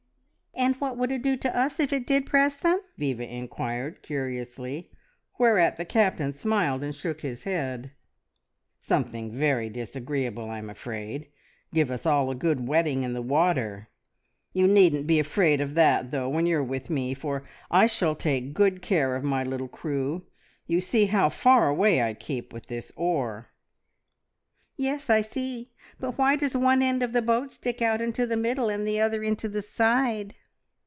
"And what would it do to us if it did press them?" Viva inquired curiously, whereat the Captain smiled and shook his head. "Something very disagreeable, I'm afraid give us all a good wetting in the water! You needn't be afraid of that, though, when you are with me, for I shall take good care of my little crew. You see how far I keep away with this oar." "Yes, I see. But why does one end of the boat stick out into the middle, and the other into the side?"